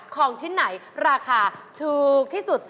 ของชิ้นไหนราคาถูกที่สุด